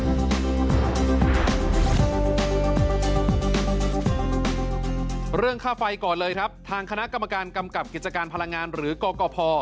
เรื่องค่าไฟก่อนเลยครับทางคณะกรรมการกำกับกิจการพลังงานหรือกกพ